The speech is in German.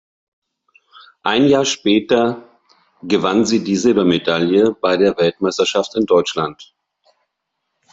Ein Jahr später gewann sie die Silbermedaille bei der Weltmeisterschaft in Deutschland.